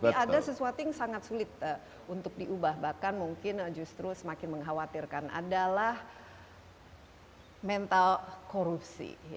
tapi ada sesuatu yang sangat sulit untuk diubah bahkan mungkin justru semakin mengkhawatirkan adalah mental korupsi